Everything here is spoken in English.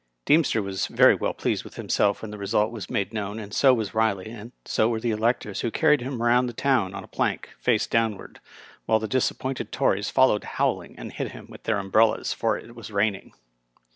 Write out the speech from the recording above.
Deemster was very well pleased with himself when the result was made known, and so was Riley, and so were the electors who carried him round the town on a plank, face downward, while the disappointed Tories fol lowed howling, and hit at him with their umbrellas, for it was raining.